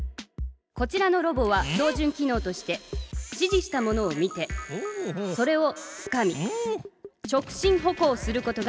こちらのロボは標じゅん機のうとして指じしたものを見てそれをつかみ直進歩行することができる！